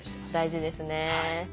大事ですね。